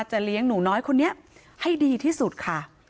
เลี้ยงหนูน้อยคนนี้ให้ดีที่สุดค่ะ